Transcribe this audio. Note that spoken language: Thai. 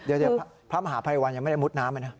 เดี๋ยวพระมหาภัยวันยังไม่ได้มุดน้ำนะ